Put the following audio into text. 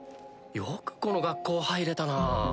よくこの学校入れたなぁ。